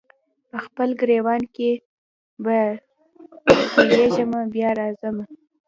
په خپل ګرېوان کي به تویېږمه بیا نه راځمه